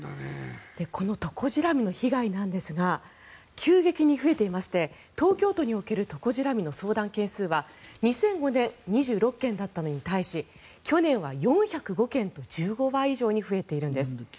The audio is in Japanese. このトコジラミの被害なんですが急激に増えていまして東京都におけるトコジラミの相談件数は２００５年２６件だったのに対し去年は４０５件と１５倍以上に増えているんです。